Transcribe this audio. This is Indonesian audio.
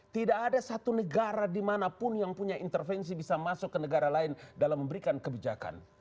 tidak ada satu negara dimanapun yang punya intervensi bisa masuk ke negara lain dalam memberikan kebijakan